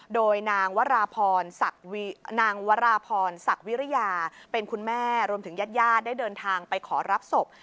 โดยนางวราพรนางวราพรศักดิ์วิริยาเป็นคุณแม่รวมถึงญาติญาติได้เดินทางไปขอรับศพ